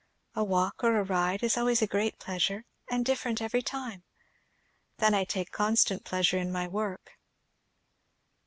A walk or a ride is always a great pleasure, and different every time. Then I take constant pleasure in my work."